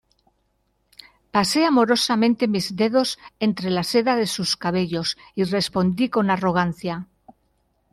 pasé amorosamente mis dedos entre la seda de sus cabellos, y respondí con arrogancia: